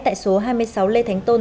tại số hai mươi sáu lê thánh tôn